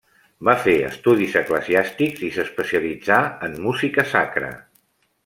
Va fer estudis eclesiàstics i s'especialitzà en música sacra.